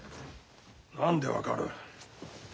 何で分かる。